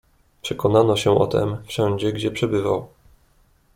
"Przekonano się o tem wszędzie, gdzie przebywał."